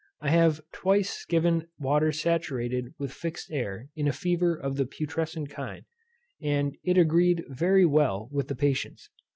I have twice given water saturated with fixed air in a fever of the putrescent kind, and it agreed very well with the patients.